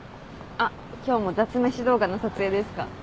あっ今日も雑飯動画の撮影ですか？